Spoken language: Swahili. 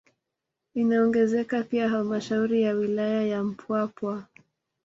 Inaongezeka pia halmashauri ya wilaya ya Mpwapwa